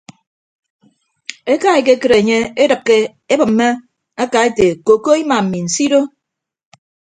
Eka ekekịt enye edịkke ebịmme aka ete koko ima mi nsido.